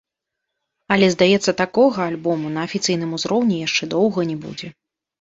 Але, здаецца, такога альбому на афіцыйным узроўні яшчэ доўга не будзе.